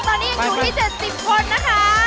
ตอนนี้ยังอยู่ที่๗๐คนนะคะ